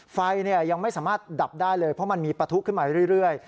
ไฟยังไม่สามารถดับได้เลยเพราะมันมีปะทุขึ้นมาเรื่อย